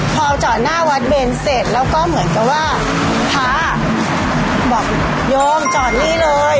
พอจอดหน้าวัดเบนเสร็จแล้วก็เหมือนกับว่าพระบอกโยมจอดนี่เลย